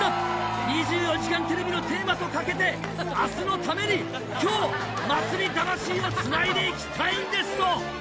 「『２４時間テレビ』のテーマとかけて明日のために今日祭り魂をつないでいきたいんです」と。